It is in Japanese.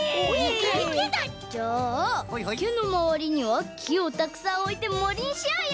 じゃあいけのまわりにはきをたくさんおいてもりにしようよ！